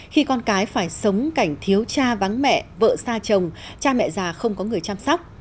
khi con cái phải sống cảnh thiếu cha vắng mẹ vợ xa chồng cha mẹ già không có người chăm sóc